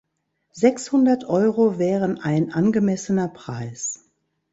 Sechshundert Euro wären ein angemessener Preis.